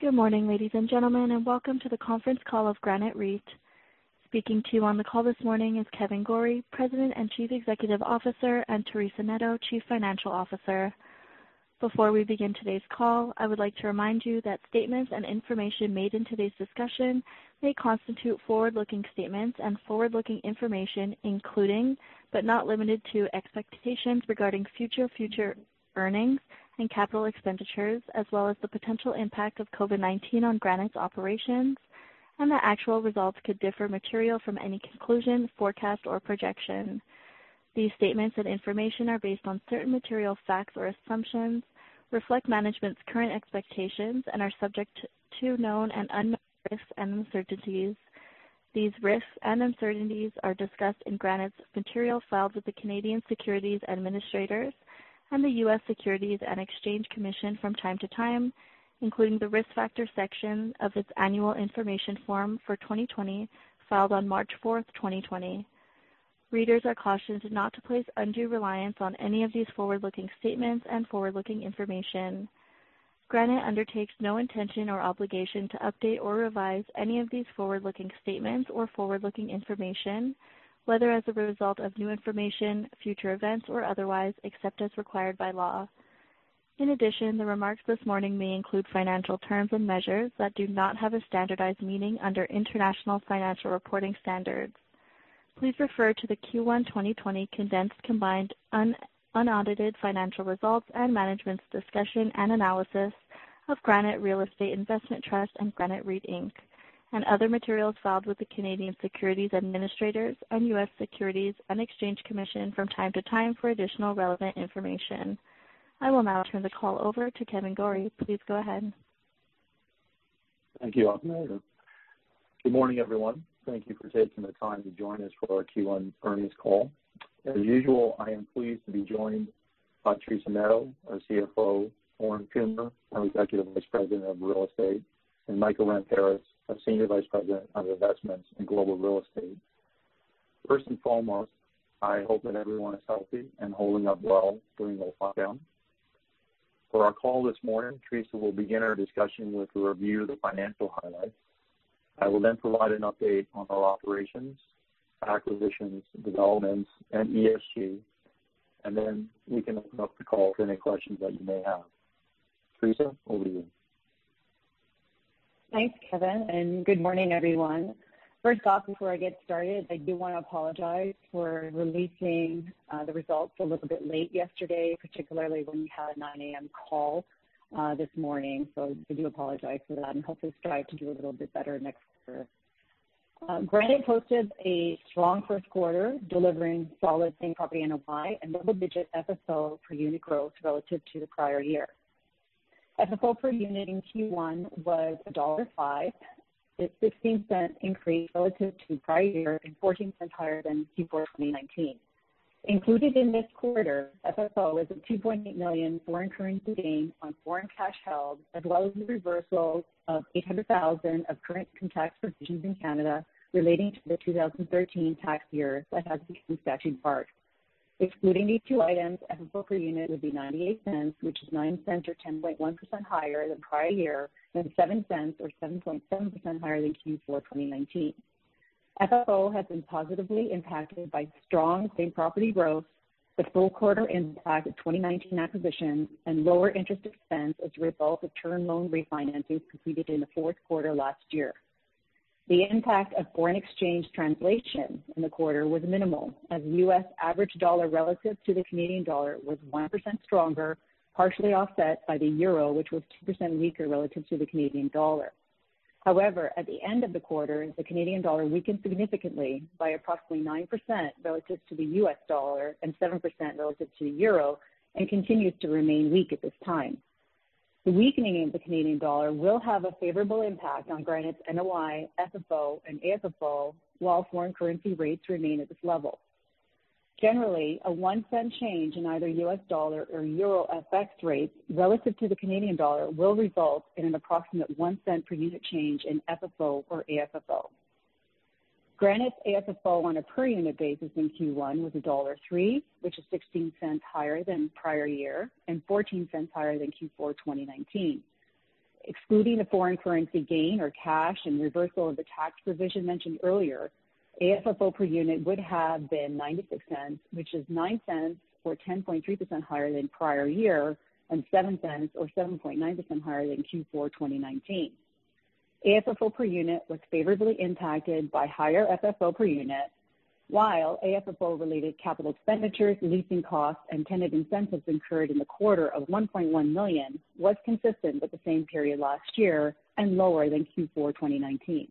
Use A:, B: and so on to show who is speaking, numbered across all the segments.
A: Good morning, ladies and gentlemen, and welcome to the conference call of Granite REIT. Speaking to you on the call this morning is Kevan Gorrie, President and Chief Executive Officer, and Teresa Neto, Chief Financial Officer. Before we begin today's call, I would like to remind you that statements and information made in today's discussion may constitute forward-looking statements and forward-looking information, including, but not limited to, expectations regarding future earnings and capital expenditures, as well as the potential impact of COVID-19 on Granite's operations, and that actual results could differ material from any conclusion, forecast, or projection. These statements and information are based on certain material facts or assumptions, reflect management's current expectations, and are subject to known and unknown risks and uncertainties. These risks and uncertainties are discussed in Granite's material filed with the Canadian Securities Administrators and the U.S. Securities and Exchange Commission from time to time, including the Risk Factor section of its Annual Information Form for 2020, filed on March fourth, 2020. Readers are cautioned not to place undue reliance on any of these forward-looking statements and forward-looking information. Granite undertakes no intention or obligation to update or revise any of these forward-looking statements or forward-looking information, whether as a result of new information, future events, or otherwise, except as required by law. In addition, the remarks this morning may include financial terms and measures that do not have a standardized meaning under international financial reporting standards. Please refer to the Q1 2020 condensed combined unaudited financial results and management's discussion and analysis of Granite Real Estate Investment Trust and Granite REIT Inc., and other materials filed with the Canadian Securities Administrators and U.S. Securities and Exchange Commission from time to time for additional relevant information. I will now turn the call over to Kevan Gorrie. Please go ahead.
B: Thank you, Operator. Good morning, everyone. Thank you for taking the time to join us for our Q1 earnings call. As usual, I am pleased to be joined by Teresa Neto, our CFO, Lorne Kumer, our Executive Vice President of Real Estate, and Michael Ramparas, our Senior Vice President of Investments in Global Real Estate. First and foremost, I hope that everyone is healthy and holding up well during the lockdown. For our call this morning, Teresa will begin our discussion with a review of the financial highlights. I will then provide an update on our operations, acquisitions, developments, and ESG. Then we can open up the call for any questions that you may have. Teresa, over to you.
C: Thanks, Kevan, good morning, everyone. First off, before I get started, I do want to apologize for releasing the results a little bit late yesterday, particularly when we had a 9:00 A.M. call this morning. I do apologize for that and hopefully strive to do a little bit better next quarter. Granite posted a strong first quarter, delivering solid same-property NOI and double-digit FFO per unit growth relative to the prior year. FFO per unit in Q1 was dollar 1.05. It's 0.16 increase relative to prior year and 0.14 higher than Q4 2019. Included in this quarter, FFO was a 2.8 million foreign currency gain on foreign cash held, as well as the reversal of 800,000 of current tax provisions in Canada relating to the 2013 tax year that has been statute barred. Excluding these two items, FFO per unit would be 0.98, which is 0.09 or 10.1% higher than prior year and 0.07 or 7.7% higher than Q4 2019. FFO has been positively impacted by strong same-property growth, the full quarter impact of 2019 acquisitions, and lower interest expense as a result of term loan refinances completed in the fourth quarter last year. The impact of foreign exchange translation in the quarter was minimal, as U.S. average dollar relative to the Canadian dollar was 1% stronger, partially offset by the euro, which was 2% weaker relative to the Canadian dollar. At the end of the quarter, the Canadian dollar weakened significantly by approximately 9% relative to the U.S. dollar and 7% relative to the euro, and continues to remain weak at this time. The weakening of the Canadian dollar will have a favorable impact on Granite's NOI, FFO, and AFFO, while foreign currency rates remain at this level. Generally, a 0.01 change in either U.S. dollar or EUR FX rates relative to the Canadian dollar will result in an approximate 0.01 per unit change in FFO or AFFO. Granite's AFFO on a per unit basis in Q1 was dollar 1.03, which is 0.16 higher than prior year and 0.14 higher than Q4 2019. Excluding the foreign currency gain or cash and reversal of the tax provision mentioned earlier, AFFO per unit would have been 0.96, which is 0.09 or 10.3% higher than prior year and 0.07 or 7.9% higher than Q4 2019. AFFO per unit was favorably impacted by higher FFO per unit, while AFFO-related capital expenditures, leasing costs, and tenant incentives incurred in the quarter of 1.1 million was consistent with the same period last year and lower than Q4 2019.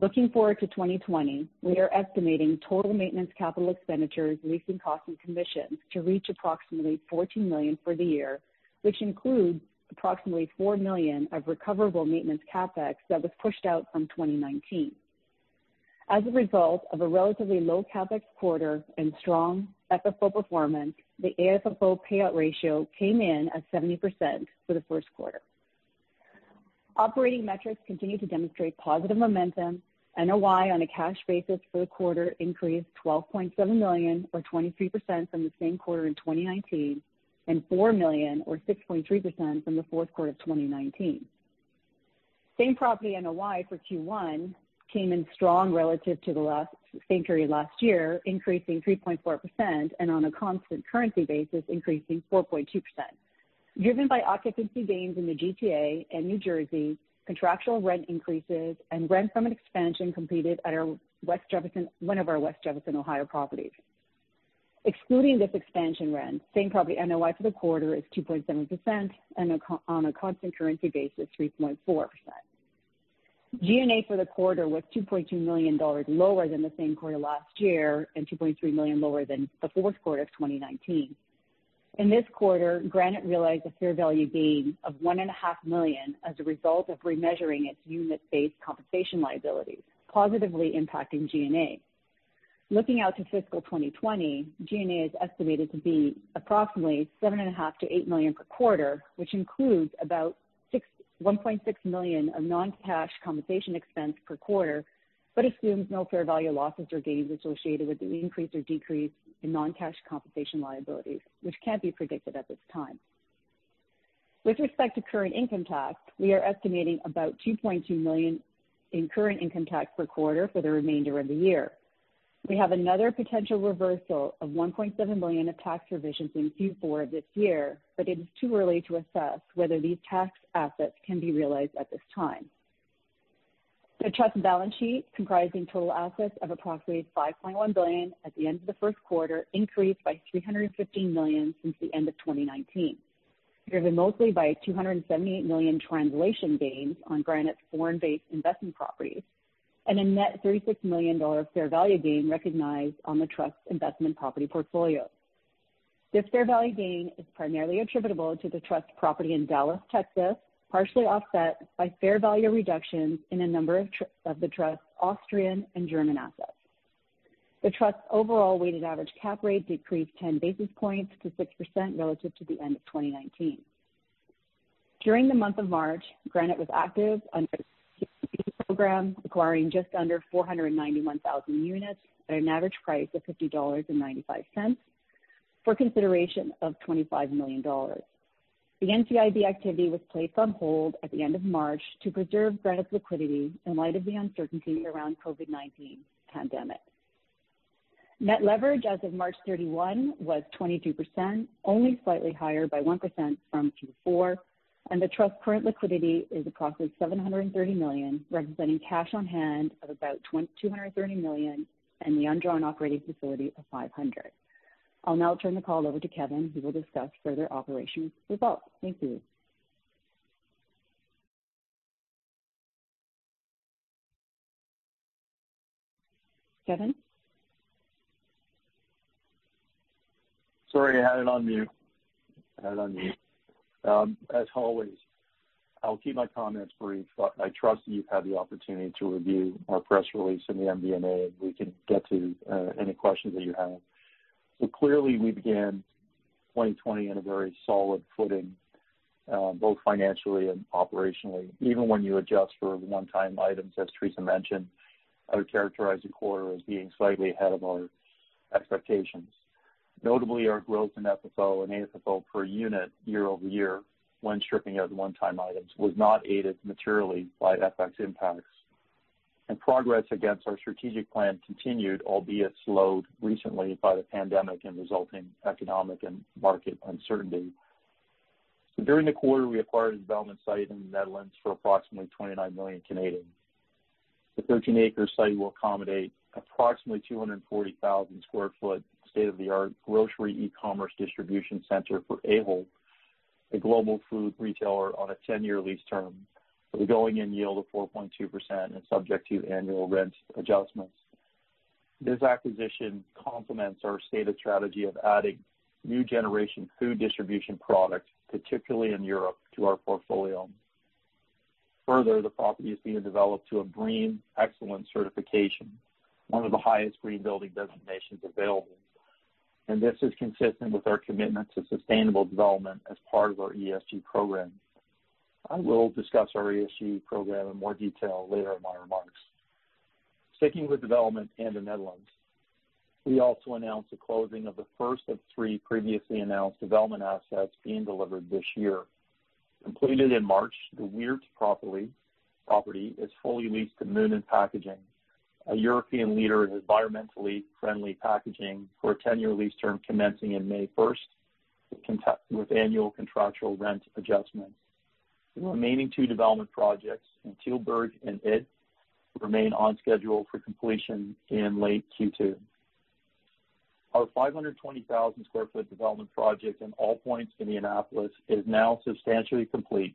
C: Looking forward to 2020, we are estimating total maintenance capital expenditures, leasing costs, and commissions to reach approximately CAD 14 million for the year, which includes approximately CAD 4 million of recoverable maintenance CapEx that was pushed out from 2019. As a result of a relatively low CapEx quarter and strong FFO performance, the AFFO payout ratio came in at 70% for the first quarter. Operating metrics continue to demonstrate positive momentum. NOI on a cash basis for the quarter increased 12.7 million, or 23% from the same quarter in 2019, and 4 million, or 6.3% from the fourth quarter of 2019. Same property NOI for Q1 came in strong relative to the last same period last year, increasing 3.4%, and on a constant currency basis, increasing 4.2%. Driven by occupancy gains in the GTA and New Jersey, contractual rent increases and rent from an expansion completed at one of our West Jefferson, Ohio properties. Excluding this expansion rent, same property NOI for the quarter is 2.7%, and on a constant currency basis, 3.4%. G&A for the quarter was 2.2 million dollars lower than the same quarter last year, and 2.3 million lower than the fourth quarter of 2019. In this quarter, Granite realized a fair value gain of 1.5 million as a result of remeasuring its unit-based compensation liabilities, positively impacting G&A. Looking out to fiscal 2020, G&A is estimated to be approximately 7.5 million-8 million per quarter, which includes about 1.6 million of non-cash compensation expense per quarter, but assumes no fair value losses or gains associated with the increase or decrease in non-cash compensation liabilities, which can't be predicted at this time. With respect to current income tax, we are estimating about 2.2 million in current income tax per quarter for the remainder of the year. We have another potential reversal of 1.7 million of tax provisionsin Q4 this year, but it is too early to assess whether these tax assets can be realized at this time. The trust balance sheet, comprising total assets of approximately 5.1 billion at the end of the first quarter, increased by 315 million since the end of 2019, driven mostly by 278 million translation gains on Granite's foreign-based investment properties, and a net 36 million dollar fair value gain recognized on the trust investment property portfolio. This fair value gain is primarily attributable to the trust property in Dallas, Texas, partially offset by fair value reductions in a number of the trust's Austrian and German assets. The trust's overall weighted average cap rate decreased 10 basis points to 6% relative to the end of 2019. During the month of March, Granite was active under its NCIB program, acquiring just under 491,000 units at an average price of 50.95 dollars for consideration of 25 million dollars. The NCIB activity was placed on hold at the end of March to preserve Granite's liquidity in light of the uncertainty around COVID-19 pandemic. Net leverage as of March 31 was 22%, only slightly higher by 1% from Q4, and the trust's current liquidity is approximately 730 million, representing cash on hand of about 230 million and the undrawn operating facility of 500 million. I'll now turn the call over to Kevan, who will discuss further operations results. Thank you. Kevan?
B: Sorry, I had it on mute. As always, I'll keep my comments brief, but I trust that you've had the opportunity to review our press release and the MD&A, and we can get to any questions that you have. Clearly we began 2020 in a very solid footing, both financially and operationally. Even when you adjust for one-time items, as Teresa mentioned, I would characterize the quarter as being slightly ahead of our expectations. Notably, our growth in FFO and AFFO per unit year-over-year, when stripping out the one-time items, was not aided materially by FX impacts. Progress against our strategic plan continued, albeit slowed recently by the pandemic and resulting economic and market uncertainty. During the quarter, we acquired a development site in the Netherlands for approximately 29 million. The 13-acre site will accommodate approximately 240,000 sq ft state-of-the-art grocery e-commerce distribution center for Ahold, a global food retailer, on a 10-year lease term with a going-in yield of 4.2% and subject to annual rent adjustments. The property is being developed to BREEAM excellent certification, one of the highest green building designations available. This is consistent with our commitment to sustainable development as part of our ESG program. I will discuss our ESG program in more detail later in my remarks. Sticking with development and the Netherlands, we also announced the closing of the first of three previously announced development assets being delivered this year. Completed in March, the Weert property is fully leased to Moonen Packaging, a European leader in environmentally friendly packaging, for a 10-year lease term commencing in May 1st with annual contractual rent adjustments. The remaining two development projects in Tilburg and Ede remain on schedule for completion in late Q2. Our 520,000 sq ft development project in AllPoints in Indianapolis is now substantially complete,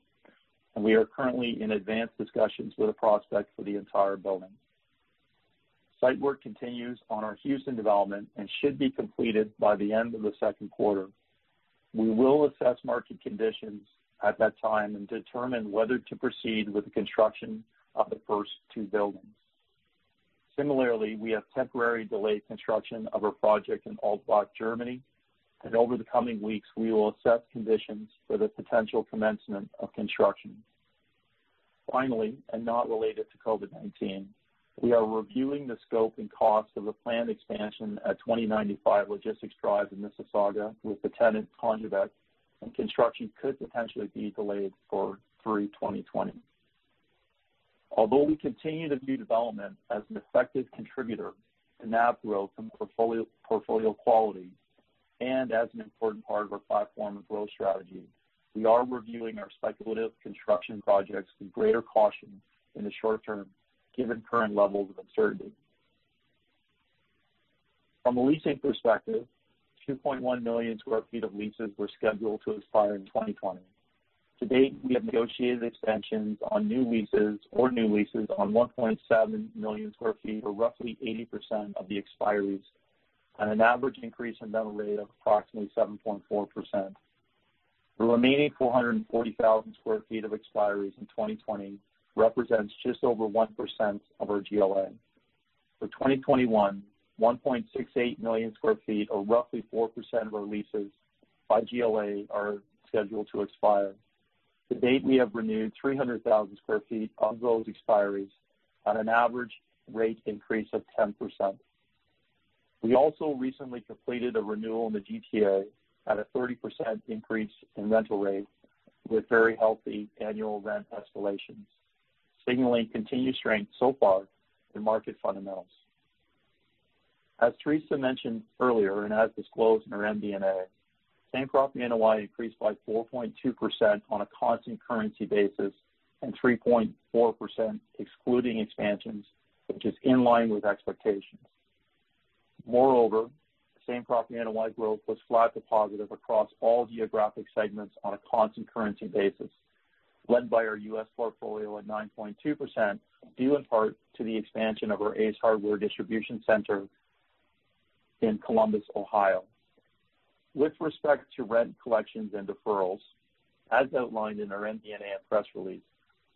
B: and we are currently in advanced discussions with a prospect for the entire building. Site work continues on our Houston development and should be completed by the end of the second quarter. We will assess market conditions at that time and determine whether to proceed with the construction of the first two buildings. Similarly, we have temporarily delayed construction of our project in Altbach, Germany, and over the coming weeks, we will assess conditions for the potential commencement of construction. Finally, and not related to COVID-19, we are reviewing the scope and cost of a planned expansion at 2095 Logistics Drive in Mississauga with the tenant, Panjiva, and construction could potentially be delayed for through 2020. Although we continue to view development as an effective contributor to NAV growth and portfolio quality, and as an important part of our platform and growth strategy, we are reviewing our speculative construction projects with greater caution in the short term given current levels of uncertainty. From a leasing perspective, 2.1 million square feet of leases were scheduled to expire in 2020. To date, we have negotiated extensions on new leases or new leases on 1.7 million square feet, or roughly 80% of the expiries, on an average increase in rental rate of approximately 7.4%. The remaining 440,000 square feet of expiries in 2020 represents just over 1% of our GLA. For 2021, 1.68 million sq ft, or roughly 4% of our leases by GLA, are scheduled to expire. To date, we have renewed 300,000 sq ft of those expiries at an average rate increase of 10%. We also recently completed a renewal in the GTA at a 30% increase in rental rates with very healthy annual rent escalations, signaling continued strength so far in market fundamentals. As Teresa mentioned earlier, and as disclosed in our MD&A, same-property NOI increased by 4.2% on a constant currency basis and 3.4% excluding expansions, which is in line with expectations. Same-property NOI growth was flat to positive across all geographic segments on a constant currency basis, led by our U.S. portfolio at 9.2%, due in part to the expansion of our Ace Hardware distribution center in Columbus, Ohio. With respect to rent collections and deferrals, as outlined in our MD&A and press release,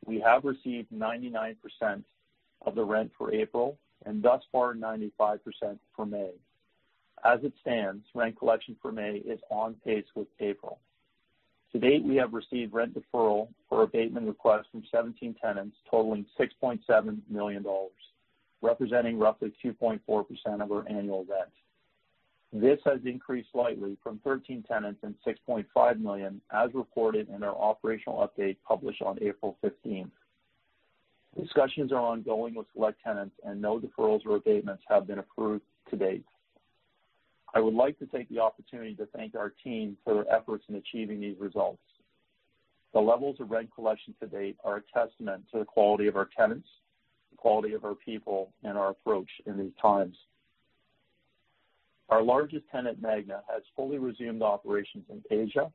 B: we have received 99% of the rent for April and thus far, 95% for May. As it stands, rent collection for May is on pace with April. To date, we have received rent deferral or abatement requests from 17 tenants totaling 6.7 million dollars, representing roughly 2.4% of our annual rent. This has increased slightly from 13 tenants and 6.5 million as reported in our operational update published on April 15th. Discussions are ongoing with select tenants and no deferrals or abatements have been approved to date. I would like to take the opportunity to thank our team for their efforts in achieving these results. The levels of rent collection to date are a testament to the quality of our tenants, the quality of our people, and our approach in these times. Our largest tenant, Magna, has fully resumed operations in Asia.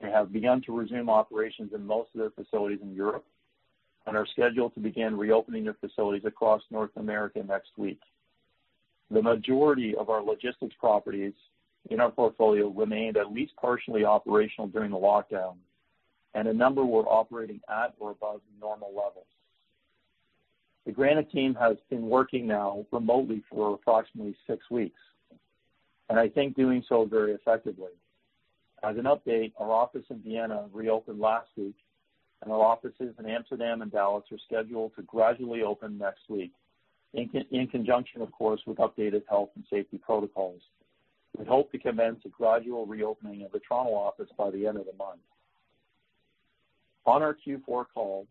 B: They have begun to resume operations in most of their facilities in Europe and are scheduled to begin reopening their facilities across North America next week. The majority of our logistics properties in our portfolio remained at least partially operational during the lockdown, and a number were operating at or above normal levels. The Granite team has been working now remotely for approximately six weeks, and I think doing so very effectively. As an update, our office in Vienna reopened last week, and our offices in Amsterdam and Dallas are scheduled to gradually open next week in conjunction, of course, with updated health and safety protocols. We hope to commence a gradual reopening of the Toronto office by the end of the month. On our Q4 call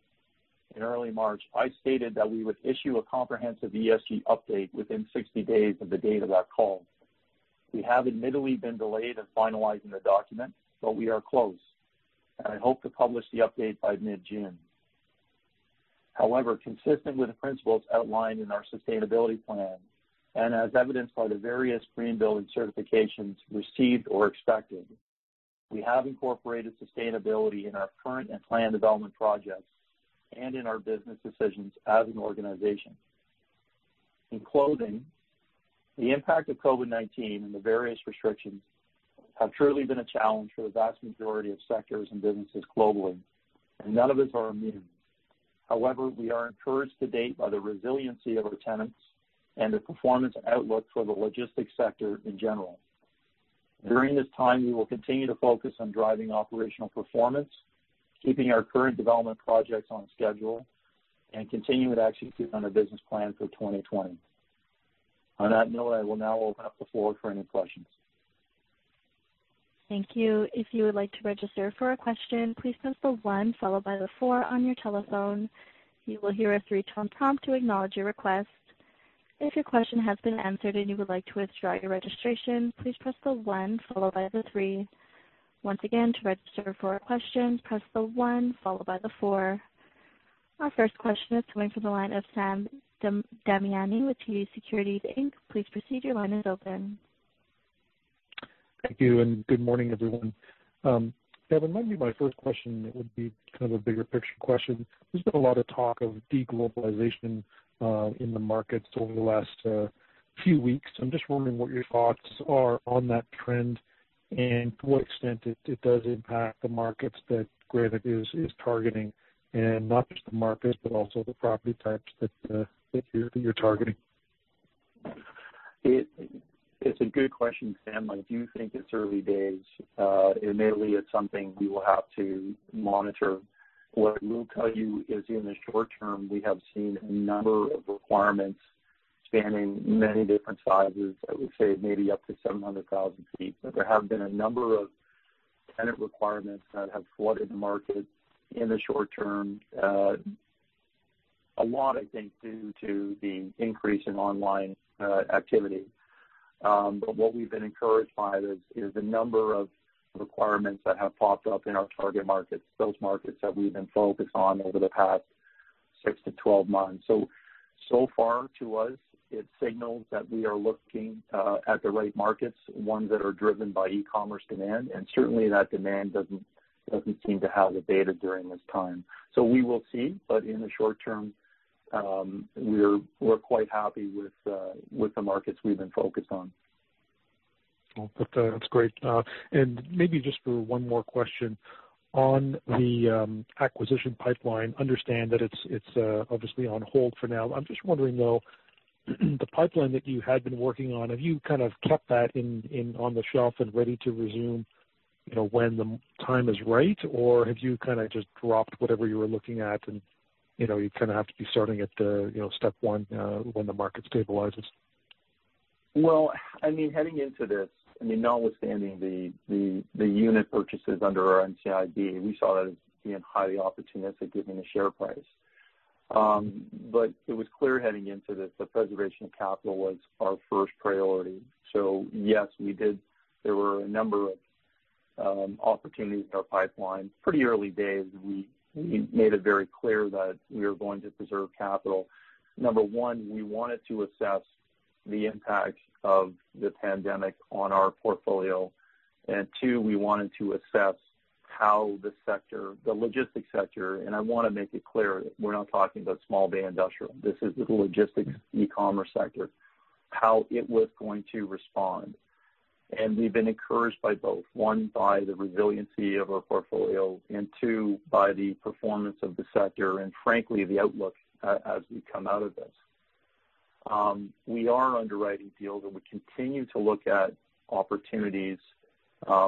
B: in early March, I stated that we would issue a comprehensive ESG update within 60 days of the date of that call. We have admittedly been delayed in finalizing the document, but we are close, and I hope to publish the update by mid-June. However, consistent with the principles outlined in our sustainability plan and as evidenced by the various green building certifications received or expected, we have incorporated sustainability in our current and planned development projects and in our business decisions as an organization. In closing, the impact of COVID-19 and the various restrictions have truly been a challenge for the vast majority of sectors and businesses globally, and none of us are immune. However, we are encouraged to date by the resiliency of our tenants and the performance outlook for the logistics sector in general. During this time, we will continue to focus on driving operational performance, keeping our current development projects on schedule, and continuing to execute on our business plan for 2020. On that note, I will now open up the floor for any questions.
A: Thank you. If you would like to register for a question, please press the one followed by the four on your telephone. You will hear a three-tone prompt to acknowledge your request. If your question has been answered and you would like to withdraw your registration, please press the one followed by the three. Once again, to register for a question, press the one followed by the four. Our first question is coming from the line of Sam Damiani with TD Securities Inc. Please proceed, your line is open.
D: Thank you, and good morning, everyone. Kevan, maybe my first question would be kind of a bigger picture question. There's been a lot of talk of de-globalization in the markets over the last, Few weeks. I'm just wondering what your thoughts are on that trend and to what extent it does impact the markets that Granite is targeting, and not just the markets, but also the property types that you're targeting.
B: It's a good question, Sam. I do think it's early days. Admittedly, it's something we will have to monitor. What I will tell you is in the short term, we have seen a number of requirements spanning many different sizes, I would say maybe up to 700,000 sq ft. There have been a number of tenant requirements that have flooded the market in the short term. A lot, I think, due to the increase in online activity. What we've been encouraged by is the number of requirements that have popped up in our target markets, those markets that we've been focused on over the past six to 12 months. So far to us, it signals that we are looking at the right markets, ones that are driven by e-commerce demand, and certainly that demand doesn't seem to have abated during this time. We will see, but in the short term, we're quite happy with the markets we've been focused on.
D: Well, that's great. Maybe just for one more question. On the acquisition pipeline, understand that it's obviously on hold for now. I'm just wondering, though, the pipeline that you had been working on, have you kind of kept that on the shelf and ready to resume when the time is right? Or have you kind of just dropped whatever you were looking at and you kind of have to be starting at step one when the market stabilizes?
B: Well, heading into this, notwithstanding the unit purchases under our NCIB, we saw that as being highly opportunistic given the share price. It was clear heading into this that preservation of capital was our first priority. Yes, we did. There were a number of opportunities in our pipeline. Pretty early days, we made it very clear that we were going to preserve capital. Number one, we wanted to assess the impact of the pandemic on our portfolio. Two, we wanted to assess how the sector, the logistics sector, and I want to make it clear, we're not talking about small bay industrial. This is the logistics e-commerce sector, how it was going to respond. We've been encouraged by both. One, by the resiliency of our portfolio, and two, by the performance of the sector, and frankly, the outlook as we come out of this. We are underwriting deals, and we continue to look at opportunities.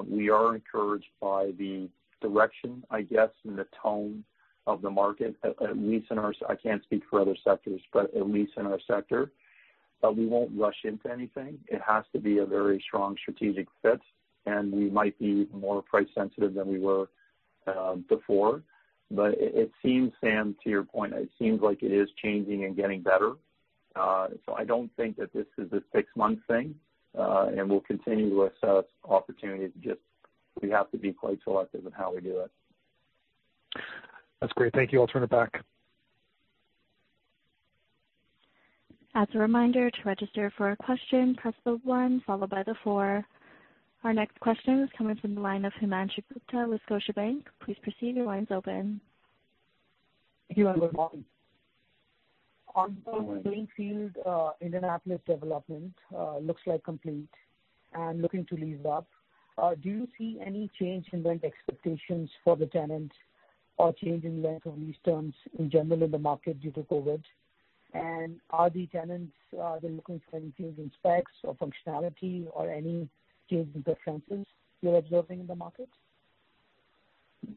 B: We are encouraged by the direction, I guess, and the tone of the market. I can't speak for other sectors, but at least in our sector. We won't rush into anything. It has to be a very strong strategic fit, and we might be more price sensitive than we were before. It seems, Sam, to your point, it seems like it is changing and getting better. I don't think that this is a six-month thing, and we'll continue to assess opportunities. Just we have to be quite selective in how we do it.
D: That's great. Thank you. I'll turn it back.
A: As a reminder, to register for a question, press the one followed by the four. Our next question is coming from the line of Himanshu Gupta with Scotiabank. Please proceed, your line's open.
E: Thank you. Good morning.
B: Good morning.
E: On the greenfield Indianapolis development, looks like complete and looking to lease up. Do you see any change in rent expectations for the tenants or change in length of lease terms in general in the market due to COVID? Are they looking for any change in specs or functionality or any change in preferences you're observing in the market?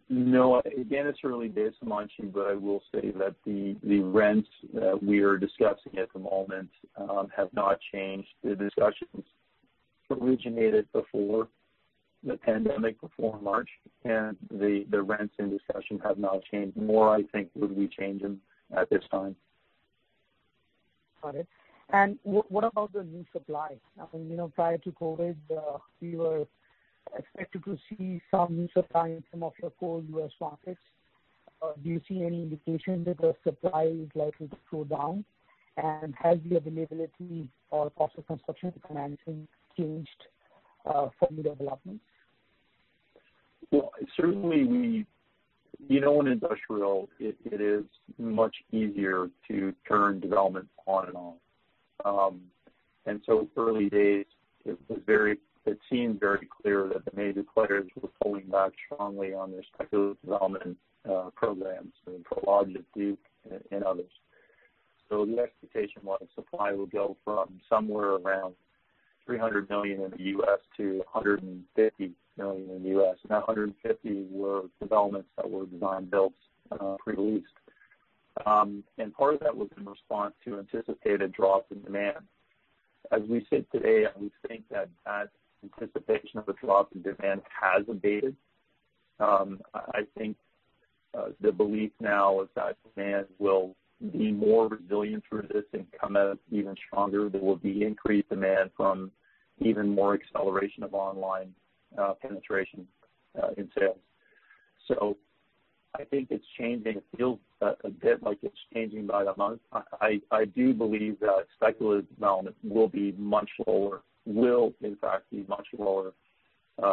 B: No. Again, it's early days, Himanshu, but I will say that the rents that we are discussing at the moment have not changed. The discussions originated before the pandemic, before March, and the rents in discussion have not changed. More, I think, would be changing at this time.
E: Got it. What about the new supply? Prior to COVID, we were expected to see some new supply in some of your core U.S. markets. Do you see any indication that the supply is likely to slow down? Has the availability or cost of construction financing changed for new developments?
B: Well, certainly in industrial, it is much easier to turn development on and off. Early days, it seemed very clear that the major players were pulling back strongly on their speculative development programs, think Prologis, Duke, and others. The expectation was supply would go from somewhere around 300 million in the U.S. to 150 million in the U.S. That 150 were developments that were design builds pre-leased. Part of that was in response to anticipated drops in demand. As we sit today, we think that that anticipation of a drop in demand has abated. I think the belief now is that demand will be more resilient through this and come out even stronger. There will be increased demand from even more acceleration of online penetration in sales. I think it's changing. It feels a bit like it's changing by the month. I do believe that speculative development will in fact be much lower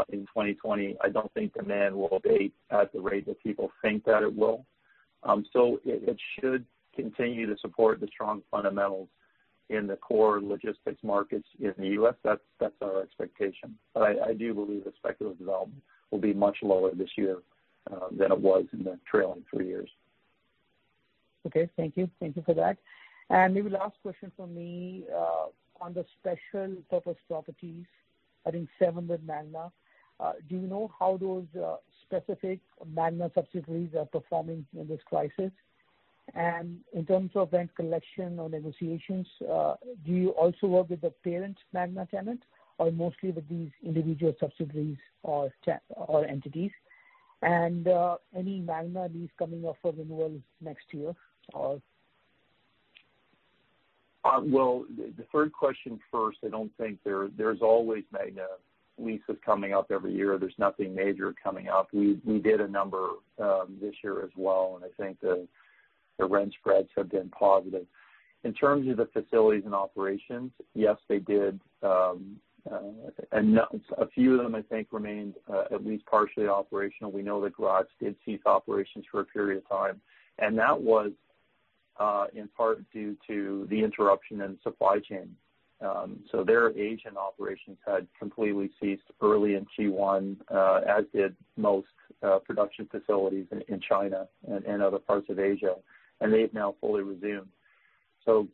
B: in 2020, I don't think demand will abate at the rate that people think that it will. It should continue to support the strong fundamentals in the core logistics markets in the U.S. That's our expectation. I do believe the speculative development will be much lower this year than it was in the trailing three years.
E: Okay. Thank you for that. Maybe last question from me. On the special purpose properties, I think seven with Magna. Do you know how those specific Magna subsidiaries are performing in this crisis? In terms of rent collection or negotiations, do you also work with the parent Magna tenant or mostly with these individual subsidiaries or entities? Any Magna lease coming up for renewals next year?
B: Well, the third question first, I don't think there's always Magna leases coming up every year. There's nothing major coming up. We did a number this year as well. I think the rent spreads have been positive. In terms of the facilities and operations, yes, they did. A few of them, I think, remained at least partially operational. We know that Graz did cease operations for a period of time, and that was in part due to the interruption in supply chain. Their Asian operations had completely ceased early in Q1, as did most production facilities in China and other parts of Asia, and they've now fully resumed.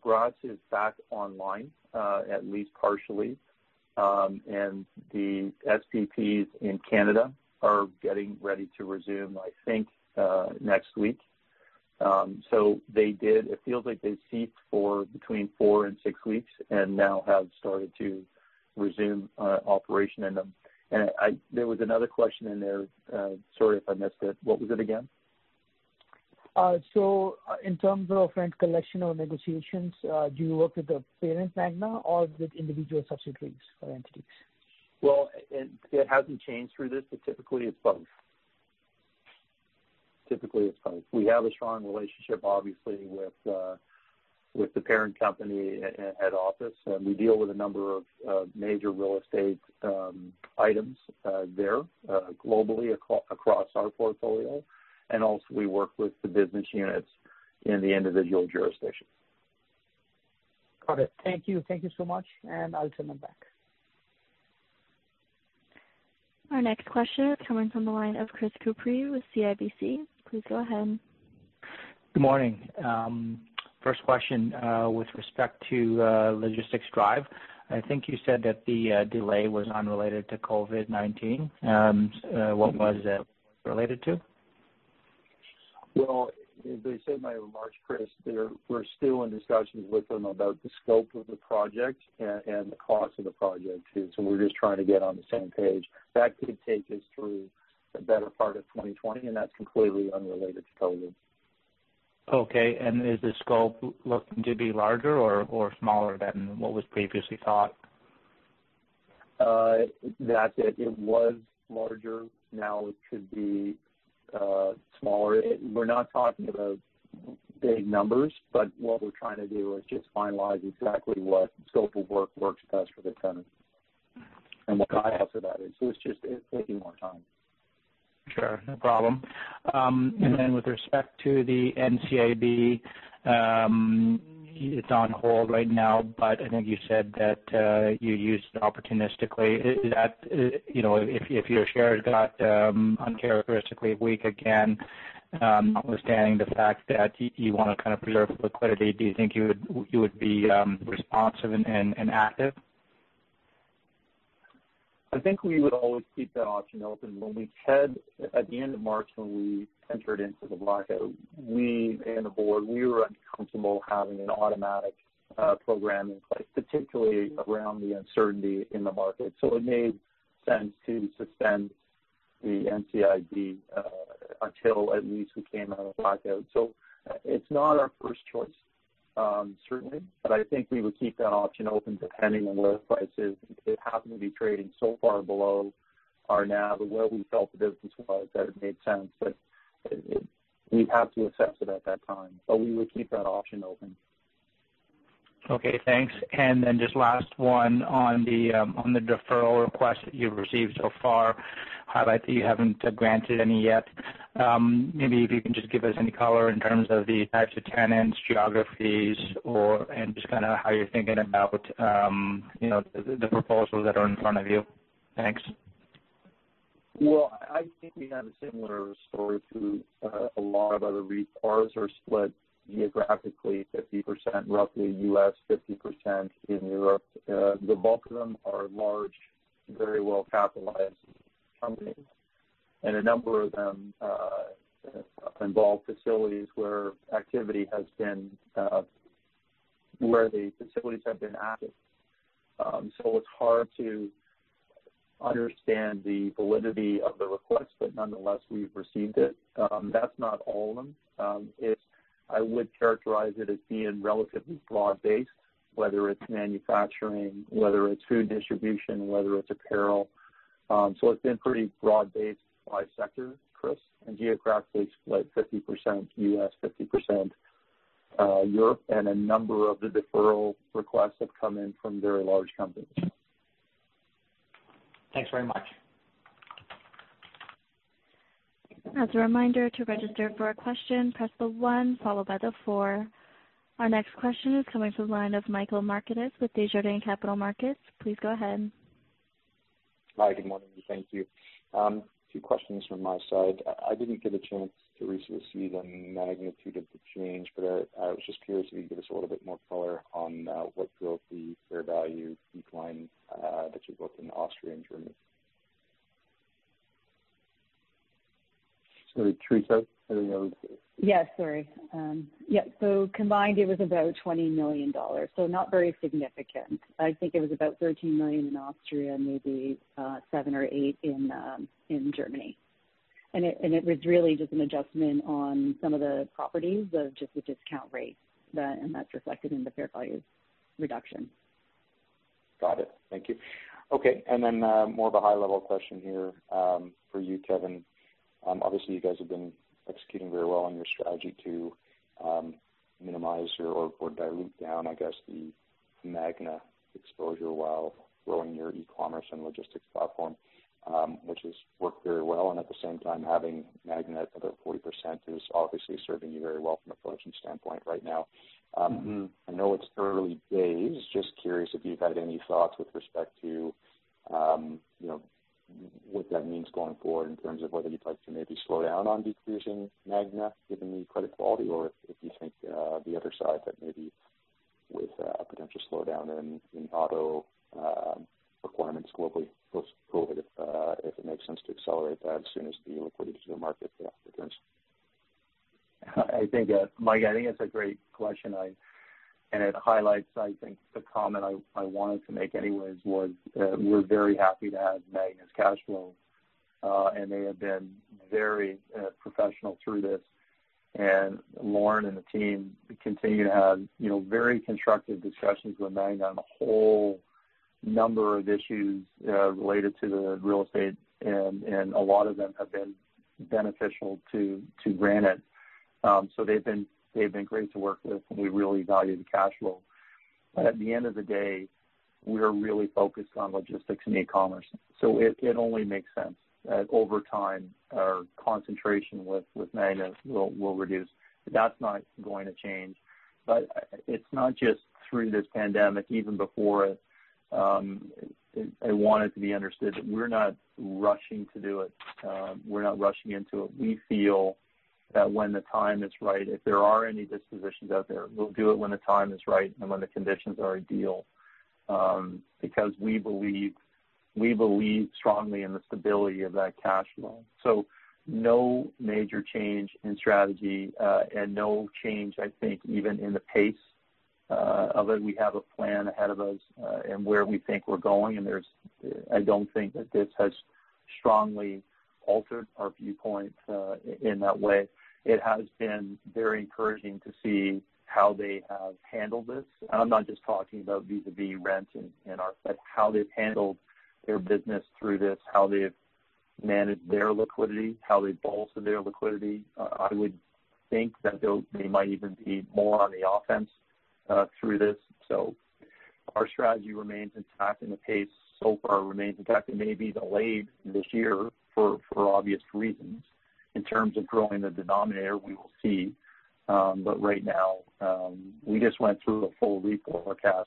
B: Graz is back online, at least partially. The SPPs in Canada are getting ready to resume, I think, next week. They did. It feels like they ceased for between four and six weeks and now have started to resume operation in them. There was another question in there. Sorry if I missed it. What was it again?
E: In terms of rent collection or negotiations, do you work with the parent Magna or with individual subsidiaries or entities?
B: Well, it hasn't changed through this, but typically it's both. We have a strong relationship, obviously, with the parent company at office, and we deal with a number of major real estate items there globally across our portfolio. Also, we work with the business units in the individual jurisdictions.
E: Got it. Thank you. Thank you so much. I'll turn it back.
A: Our next question is coming from the line of Chris Couprie with CIBC. Please go ahead.
F: Good morning. First question, with respect to Logistics Drive, I think you said that the delay was unrelated to COVID-19. What was that related to?
B: Well, as I said in my remarks, Chris, we're still in discussions with them about the scope of the project and the cost of the project, too. We're just trying to get on the same page. That could take us through the better part of 2020, and that's completely unrelated to COVID.
F: Okay. Is the scope looking to be larger or smaller than what was previously thought?
B: That it was larger, now it could be smaller. We're not talking about big numbers, but what we're trying to do is just finalize exactly what scope of work works best for the tenant and what the cost of that is. It's just taking more time.
F: Sure. No problem. With respect to the NCIB, it's on hold right now, but I think you said that you used it opportunistically. If your shares got uncharacteristically weak again, notwithstanding the fact that you want to kind of preserve liquidity, do you think you would be responsive and active?
B: I think we would always keep that option open. At the end of March, when we entered into the blackout, we and the board, we were uncomfortable having an automatic program in place, particularly around the uncertainty in the market. It made sense to suspend the NCIB until at least we came out of blackout. It's not our first choice, certainly, but I think we would keep that option open depending on where the price is. If it happened to be trading so far below our NAV or where we felt the business was, that it made sense that we'd have to accept it at that time. We would keep that option open.
F: Okay, thanks. Just last one on the deferral requests that you've received so far. I like that you haven't granted any yet. Maybe if you can just give us any color in terms of the types of tenants, geographies, and just how you're thinking about the proposals that are in front of you. Thanks.
B: Well, I think we have a similar story to a lot of other REITs. Ours are split geographically 50%, roughly U.S., 50% in Europe. The bulk of them are large, very well-capitalized companies, and a number of them involve facilities where the facilities have been active. It's hard to understand the validity of the request, but nonetheless, we've received it. That's not all of them. I would characterize it as being relatively broad-based, whether it's manufacturing, whether it's food distribution, whether it's apparel. It's been pretty broad-based by sector, Chris, and geographically split 50% U.S., 50% Europe. A number of the deferral requests that come in from very large companies.
F: Thanks very much.
A: As a reminder, to register for a question, press the one followed by the four. Our next question is coming from the line of Michael Markidis with Desjardins Capital Markets. Please go ahead.
G: Hi. Good morning. Thank you. Two questions from my side. I didn't get a chance to recently see the magnitude of the change, but I was just curious if you could give us a little bit more color on what drove the fair value decline that you booked in Austria and Germany.
B: Sorry, Teresa? I don't know.
C: Sorry. Combined, it was about 20 million dollars, not very significant. I think it was about 13 million in Austria, maybe CAD seven or eight million in Germany. It was really just an adjustment on some of the properties of just the discount rate, and that's reflected in the fair value reduction.
G: Got it. Thank you. Okay. More of a high-level question here for you, Kevan. Obviously, you guys have been executing very well on your strategy to minimize your, or dilute down, I guess, the Magna exposure while growing your e-commerce and logistics platform, which has worked very well. At the same time, having Magna at about 40% is obviously serving you very well from a production standpoint right now. I know it's early days. Just curious if you've had any thoughts with respect to what that means going forward in terms of whether you'd like to maybe slow down on decreasing Magna given the credit quality, or if you think the other side that maybe with a potential slowdown in auto requirements globally post-COVID, if it makes sense to accelerate that as soon as the liquidity in the market returns.
B: Michael, I think that's a great question, and it highlights, I think, the comment I wanted to make anyways was that we're very happy to have Magna's cash flow. They have been very professional through this. Lorne and the team continue to have very constructive discussions with Magna on a whole number of issues related to the real estate, and a lot of them have been beneficial to Granite. They've been great to work with, and we really value the cash flow. At the end of the day, we are really focused on logistics and e-commerce. It only makes sense that over time, our concentration with Magna will reduce. That's not going to change. It's not just through this pandemic, even before it. I want it to be understood that we're not rushing to do it. We're not rushing into it. We feel that when the time is right, if there are any dispositions out there, we'll do it when the time is right and when the conditions are ideal, because we believe strongly in the stability of that cash flow. No major change in strategy, and no change, I think, even in the pace of it. We have a plan ahead of us in where we think we're going, and I don't think that this has strongly altered our viewpoint in that way. It has been very encouraging to see how they have handled this. I'm not just talking about vis-a-vis rent but how they've handled their business through this, how they've managed their liquidity, how they've bolstered their liquidity. I would think that they might even be more on the offense through this. Our strategy remains intact, and the pace so far remains intact. It may be delayed this year for obvious reasons. In terms of growing the denominator, we will see. Right now, we just went through a full reforecast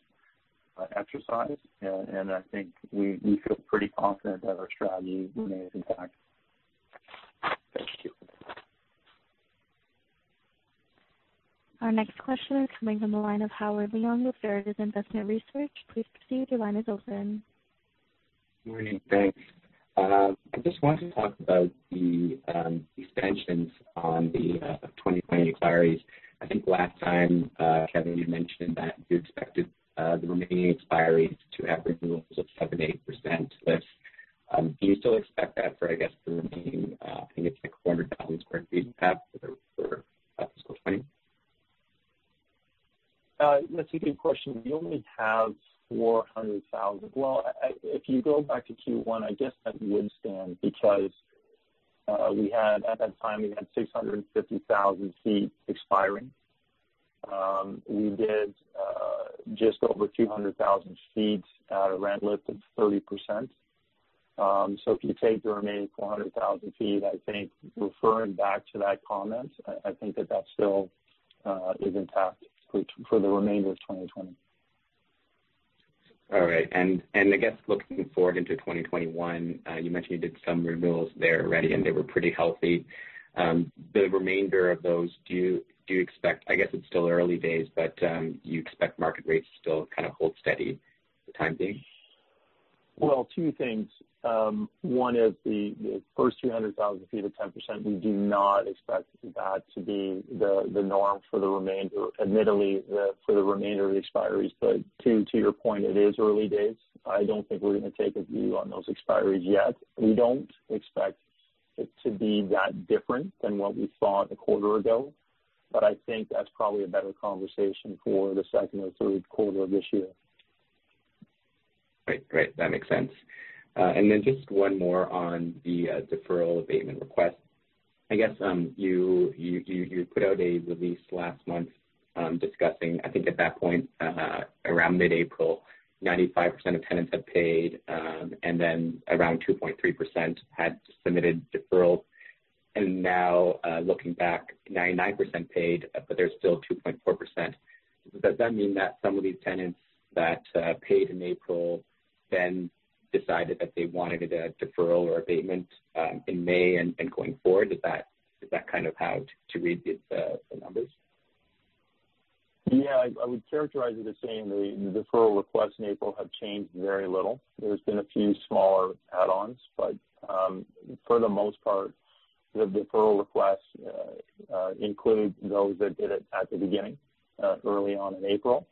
B: exercise, and I think we feel pretty confident that our strategy remains intact.
G: Thanks.
A: Our next question is coming from the line of Howard Leung with Veritas Investment Research. Please proceed. Your line is open.
H: Morning. Thanks. I just wanted to talk about the extensions on the 2020 expiries. I think last time, Kevan, you mentioned that you expected the remaining expiries to have renewals of 7%-8%. Do you still expect that for, I guess, the remaining, I think it's like 400,000 square feet you have for fiscal 2020?
B: That's a good question. We only have 400,000. Well, if you go back to Q1, I guess that would stand because at that time, we had 650,000 feet expiring. We did just over 200,000 feet rent lift at 30%. If you take the remaining 400,000 feet, I think referring back to that comment, I think that that still is intact for the remainder of 2020.
H: All right. I guess looking forward into 2021, you mentioned you did some renewals there already, and they were pretty healthy. The remainder of those, I guess it's still early days, but do you expect market rates to still kind of hold steady for the time being?
B: Well, two things. One is the first 200,000 feet at 10%, we do not expect that to be the norm admittedly for the remainder of the expiries. To your point, it is early days. I don't think we're going to take a view on those expiries yet. We don't expect it to be that different than what we saw a quarter ago, but I think that's probably a better conversation for the second or third quarter of this year.
H: Right. That makes sense. Just one more on the deferral abatement request. I guess you put out a release last month discussing, I think at that point, around mid-April, 95% of tenants had paid, around 2.3% had submitted deferrals. Looking back, 99% paid, there's still 2.4%. Does that mean that some of these tenants that paid in April then decided that they wanted a deferral or abatement in May and going forward? Is that kind of how to read the numbers?
B: Yeah, I would characterize it as saying the deferral requests in April have changed very little. There's been a few smaller add-ons, but for the most part, the deferral requests include those that did it at the beginning, early on in April.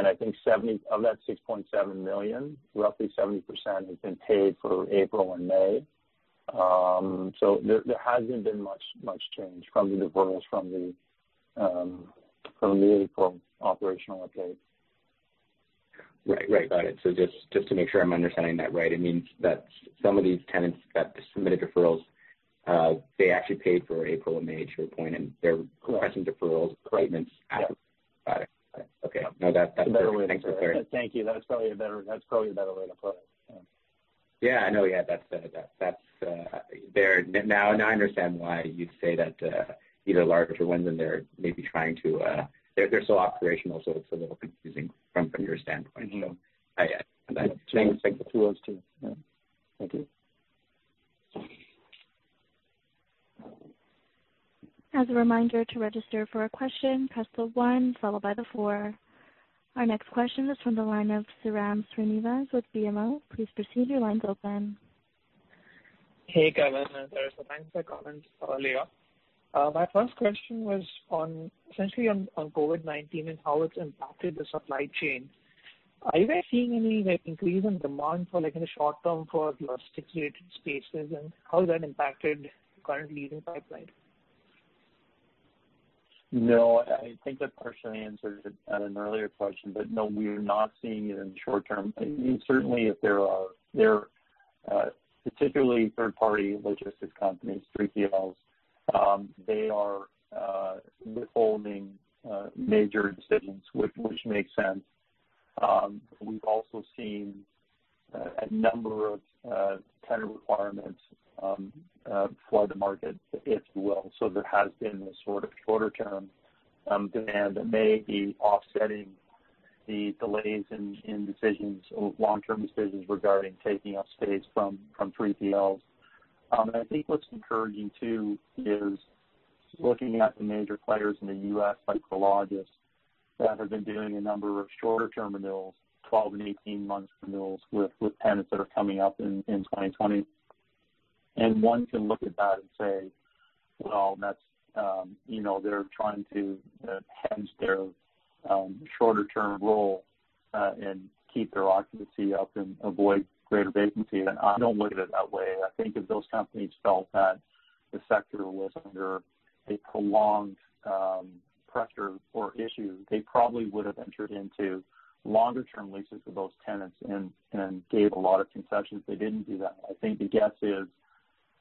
B: I think 70 Of that 6.7 million, roughly 70% has been paid for April and May. There hasn't been much change from the deferrals from the immediate operational update.
H: Right. Got it. Just to make sure I'm understanding that right, it means that some of these tenants that submitted deferrals, they actually paid for April and May to a point.
B: Correct
H: requesting deferrals, abatements.
B: Yeah
H: got it. Okay. No.
B: A better way to put it.
H: Thanks for clearing.
B: Thank you. That's probably a better way to put it. Yeah.
H: Yeah. No, yeah. Now I understand why you'd say that either larger ones and they're maybe trying to, they're still operational, so it's a little confusing from your standpoint. So I-
B: Thanks. Thank you.
A: As a reminder, to register for a question, press the one followed by the four. Our next question is from the line of Srinivas Sriram with BMO. Please proceed, your line's open.
I: Hey, Kevan and Teresa. Thanks for the comments earlier. My first question was essentially on COVID-19 and how it's impacted the supply chain. Are you guys seeing any increase in demand for in the short term for logistic-related spaces, and how has that impacted current leasing pipeline?
B: No, I think I partially answered it on an earlier question, but no, we are not seeing it in short term. Certainly, if there are particularly third-party logistics companies, 3PLs, they are withholding major decisions, which makes sense. We've also seen a number of tenant requirements flood the market, if you will. There has been this sort of shorter-term demand that may be offsetting the delays in decisions or long-term decisions regarding taking up space from 3PLs. I think what's encouraging too is looking at the major players in the U.S., like Prologis, that have been doing a number of shorter-term renewals, 12 and 18 months renewals with tenants that are coming up in 2020. One can look at that and say, "Well, they're trying to hedge their shorter-term roll, and keep their occupancy up and avoid greater vacancy." I don't look at it that way. I think if those companies felt that the sector was under a prolonged pressure or issue, they probably would've entered into longer-term leases with those tenants and gave a lot of concessions. They didn't do that. I think the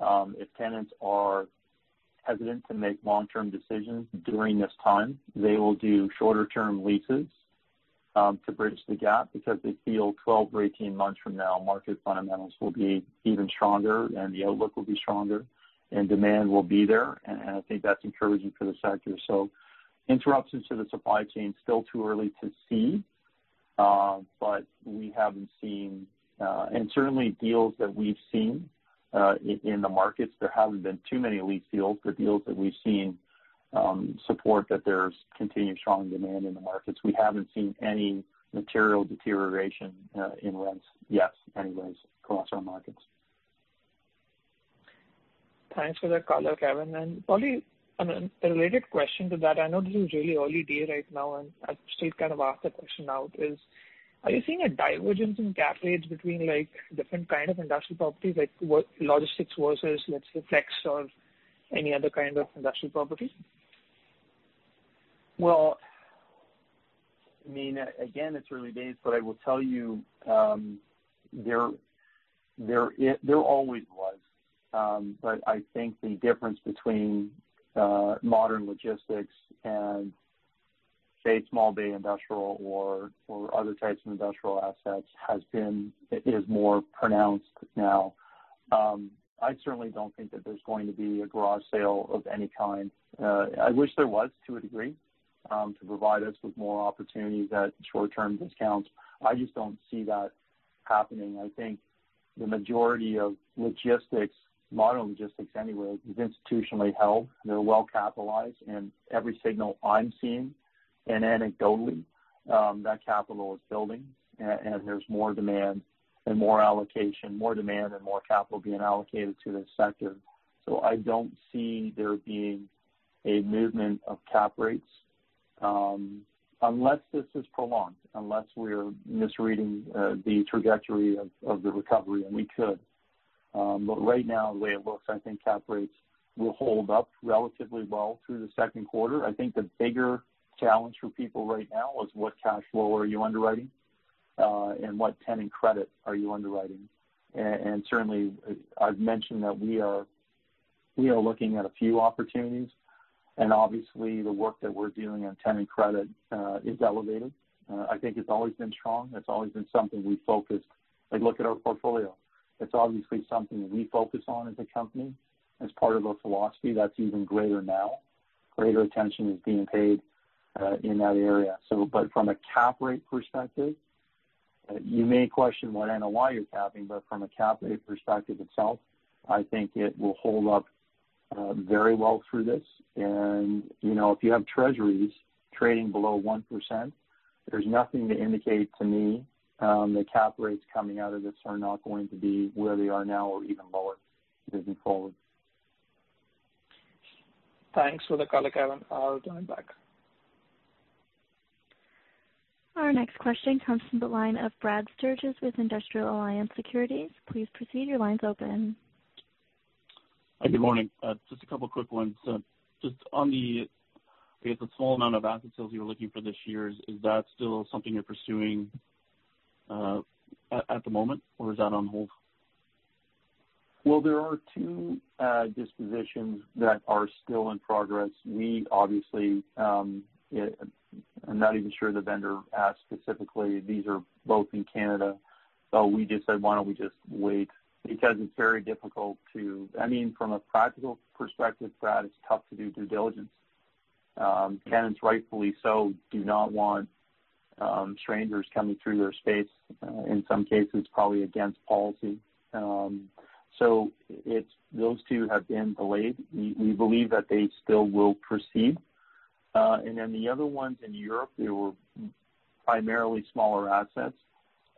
B: guess is, if tenants are hesitant to make long-term decisions during this time, they will do shorter-term leases to bridge the gap because they feel 12 or 18 months from now, market fundamentals will be even stronger, and the outlook will be stronger, and demand will be there. I think that's encouraging for the sector. Interruptions to the supply chain, still too early to see, but we haven't seen. Certainly, deals that we've seen in the markets, there haven't been too many lease deals. The deals that we've seen support that there's continued strong demand in the markets. We haven't seen any material deterioration in rents yet, anyways, across our markets.
I: Thanks for that color, Kevan. Probably a related question to that. I know this is really early day right now, and I should kind of ask the question now is, are you seeing a divergence in cap rates between different kind of industrial properties, like logistics versus, let's say, flex or any other kind of industrial property?
B: Well, I mean, again, it's early days, but I will tell you there always was. I think the difference between modern logistics and, say, small bay industrial or other types of industrial assets is more pronounced now. I certainly don't think that there's going to be a garage sale of any kind. I wish there was, to a degree, to provide us with more opportunities at short-term discounts. I just don't see that happening. I think the majority of logistics, modern logistics anyway, is institutionally held. They're well-capitalized, and every signal I'm seeing, and anecdotally, that capital is building, and there's more demand and more allocation, more demand and more capital being allocated to the sector. I don't see there being a movement of cap rates, unless this is prolonged, unless we're misreading the trajectory of the recovery. Right now, the way it looks, I think cap rates will hold up relatively well through the second quarter. I think the bigger challenge for people right now is what cash flow are you underwriting, and what tenant credit are you underwriting. Certainly, I've mentioned that we are looking at a few opportunities, and obviously the work that we're doing on tenant credit is elevated. I think it's always been strong. It's always been something we focus. Like, look at our portfolio. It's obviously something that we focus on as a company, as part of our philosophy. That's even greater now. Greater attention is being paid in that area. From a cap rate perspective, you may question what NOI you're capping, but from a cap rate perspective itself, I think it will hold up very well through this. If you have Treasuries trading below 1%, there's nothing to indicate to me that cap rates coming out of this are not going to be where they are now or even lower moving forward.
I: Thanks for the color, Kevan. I'll turn it back.
A: Our next question comes from the line of Brad Sturges with Industrial Alliance Securities. Please proceed, your line's open.
J: Hi, good morning. Just a couple of quick ones. Just on the, I guess, a small amount of asset sales you were looking for this year. Is that still something you're pursuing at the moment, or is that on hold?
B: Well, there are two dispositions that are still in progress. We obviously I'm not even sure the vendor asked specifically. These are both in Canada. We just said, "Why don't we just wait?" It's very difficult to From a practical perspective, Brad, it's tough to do due diligence. Tenants, rightfully so, do not want strangers coming through their space. In some cases, probably against policy. Those two have been delayed. We believe that they still will proceed. The other ones in Europe, they were primarily smaller assets.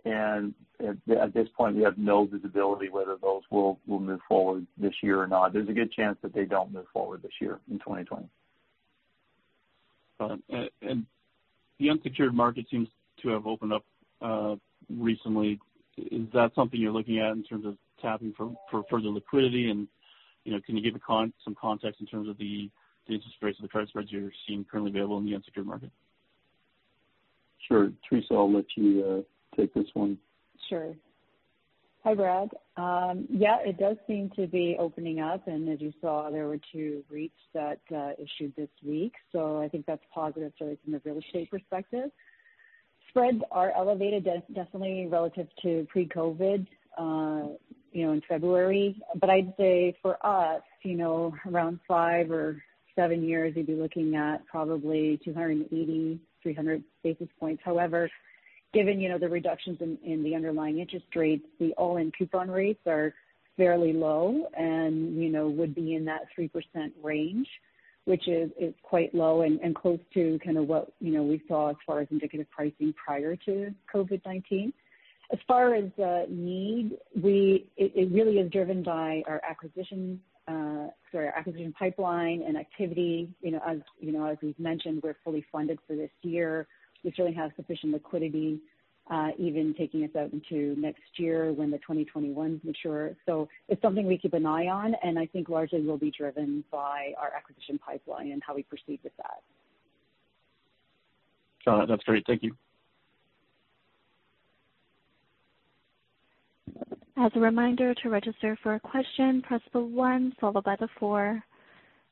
B: At this point, we have no visibility whether those will move forward this year or not. There's a good chance that they don't move forward this year in 2020.
J: The unsecured market seems to have opened up recently. Is that something you're looking at in terms of tapping for further liquidity? Can you give some context in terms of the interest rates and the credit spreads you're seeing currently available in the unsecured market?
B: Sure. Teresa, I'll let you take this one.
C: Sure. Hi, Brad. Yeah, it does seem to be opening up, and as you saw, there were two REITs that issued this week, so I think that's positive story from the real estate perspective. Spreads are elevated definitely relative to pre-COVID in February. I'd say for us, around five or seven years, you'd be looking at probably 280, 300 basis points. However, given the reductions in the underlying interest rates, the all-in coupon rates are fairly low and would be in that 3% range, which is quite low and close to kind of what we saw as far as indicative pricing prior to COVID-19. As far as need, it really is driven by our acquisition pipeline and activity. As we've mentioned, we're fully funded for this year. We certainly have sufficient liquidity even taking us out into next year when the 2021s mature. It's something we keep an eye on, and I think largely will be driven by our acquisition pipeline and how we proceed with that.
J: Got it. That's great. Thank you.
A: As a reminder, to register for a question, press the one followed by the four.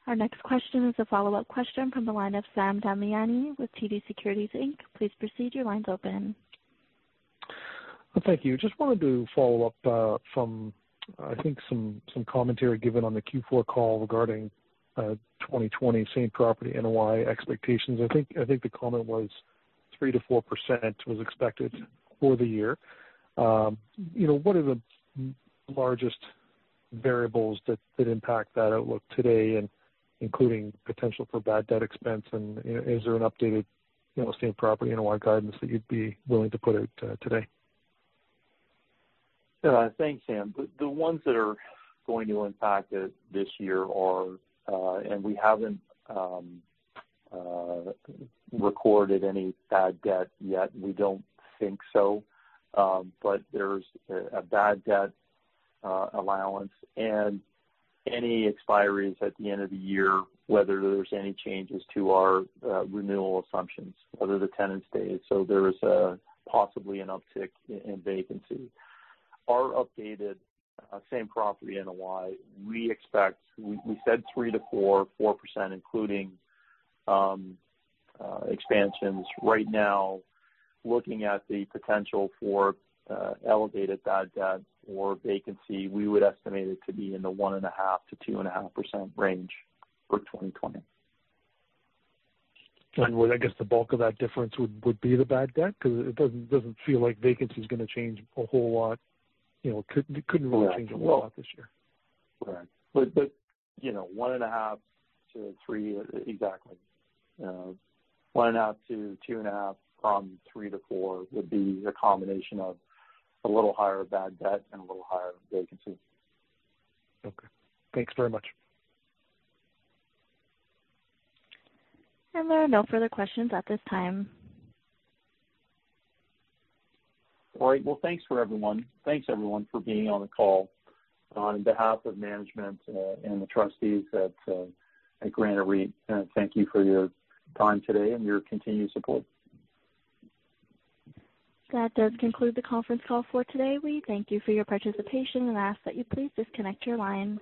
A: Our next question is a follow-up question from the line of Sam Damiani with TD Securities Inc. Please proceed, your line's open.
D: Thank you. Just wanted to follow up from, I think some commentary given on the Q4 call regarding 2020 same-property NOI expectations. I think the comment was 3%-4% was expected for the year. What are the largest variables that impact that outlook today, and including potential for bad debt expense, and is there an updated same-property NOI guidance that you'd be willing to put out today?
B: Thanks, Sam. The ones that are going to impact it this year are we haven't recorded any bad debt yet. We don't think so. There's a bad debt allowance and any expiries at the end of the year, whether there's any changes to our renewal assumptions, whether the tenants stay. There is possibly an uptick in vacancy. Our updated same-property NOI, we said 3%-4%, including expansions. Right now, looking at the potential for elevated bad debt or vacancy, we would estimate it to be in the 1.5%-2.5% range for 2020.
D: Would, I guess, the bulk of that difference would be the bad debt? Because it doesn't feel like vacancy's going to change a whole lot.
B: Yeah a whole lot this year. Right. 1.5%-3%, exactly. 1.5%-2.5% from 3%-4% would be the combination of a little higher bad debt and a little higher vacancy.
D: Okay. Thanks very much.
A: There are no further questions at this time.
B: All right. Thanks, everyone, for being on the call. On behalf of management and the trustees at Granite REIT, thank you for your time today and your continued support.
A: That does conclude the conference call for today. We thank you for your participation and ask that you please disconnect your line.